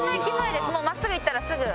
もう真っすぐ行ったらすぐ。